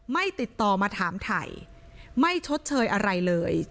ไม่ติดต่อมาถามไทยไม่ชดเชยอะไรเลย